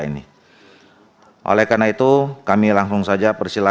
ini adalah kesempatan yang sangat penting